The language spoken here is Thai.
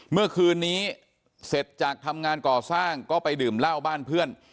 เมื่อคืนนี้เสร็จจากทำงานก่อสร้างก็ไปดื่มเหล้าบ้านเพื่อน